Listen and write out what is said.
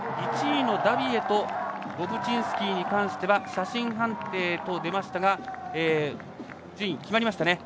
１位のダビエとボブチンスキーに関しては写真判定と出ましたが順位、決まりました。